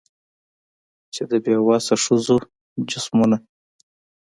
چي د بې وسه ښځو جسمونه